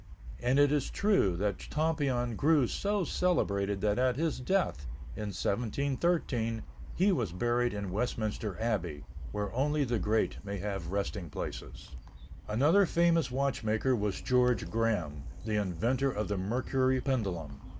And it is true that Tompion grew so celebrated that at his death, in 1713, he was buried in Westminster Abbey, where only the great may have resting places. Another famous watchmaker was George Graham, the inventor of the mercury pendulum.